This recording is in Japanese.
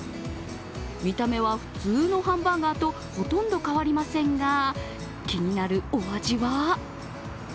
見た目は普通のハンバーガーとほとんど変わりませんが気になるお味は？